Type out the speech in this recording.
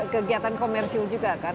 kegiatan komersil juga kan